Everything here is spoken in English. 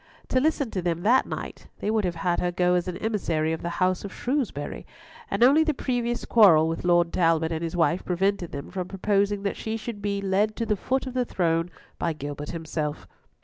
To listen to them that night, they would have had her go as an emissary of the house of Shrewsbury, and only the previous quarrel with Lord Talbot and his wife prevented them from proposing that she should be led to the foot of the throne by Gilbert himself.